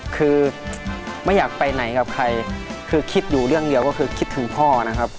คือไม่อยากไปไหนกับใครคือคิดอยู่เรื่องเดียวก็คือคิดถึงพ่อนะครับ